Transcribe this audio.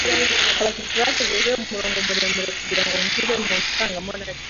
Abashyitsi bategereje umurongo muremure kugirango binjire mu nzu ndangamurage.